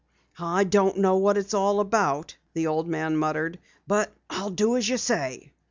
"I don't know what it's all about," the old man muttered. "But I'll do as you say."